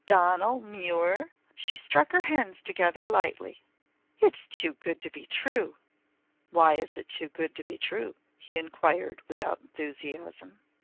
Donal Muir!" She struck her hands lightly together. "It's too good to be true!" "Why is it too good to be true?" he inquired without enthusiasm.